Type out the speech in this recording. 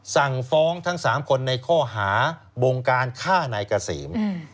สั่งฟ้องทั้ง๓คนในข้อหาบงการฆ่านายเกษม